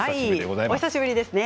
お久しぶりですね。